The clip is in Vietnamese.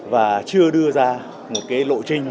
và chưa đưa ra một lộ trình